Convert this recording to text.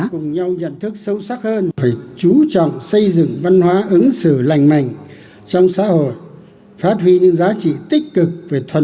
tổng bí thư nguyễn phú trọng đã tạo ra một văn hóa ứng xử lành mạnh trong xã hội phát huy những giá trị tích cực về thoải mái